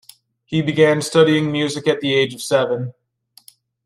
He began studying music at the age of seven.